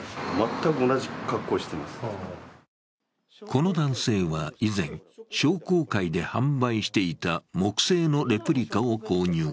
この男性は以前、商工会で販売していた木製のレプリカを購入。